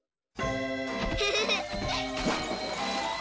フフフ。